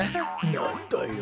なんだよ。